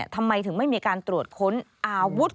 ทำไมถึงไม่มีการตรวจค้นอาวุธ